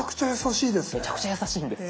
めちゃくちゃ優しいですね。